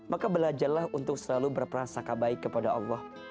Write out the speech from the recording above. maka belajarlah untuk selalu berperasakah baik kepada allah